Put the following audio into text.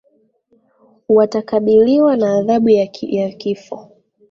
watakabiliwa na adhabu ya kifo